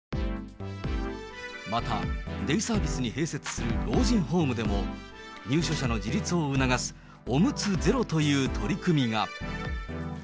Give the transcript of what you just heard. また、デイサービスに併設する老人ホームでも、入所者の自立を促すおむつゼロという取り組みが。